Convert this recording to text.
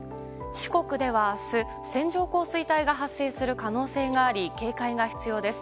四国では明日、線状降水帯が発生する可能性があり警戒が必要です。